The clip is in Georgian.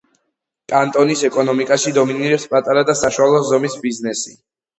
კანტონის ეკონომიკაში დომინირებს პატარა და საშუალო ზომის ბიზნესი.